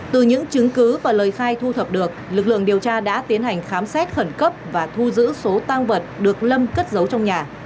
từ những chứng cứ và lời khai thu thập được lực lượng điều tra đã tiến hành khám xét khẩn cấp và thu giữ số tăng vật được lâm cất giấu trong nhà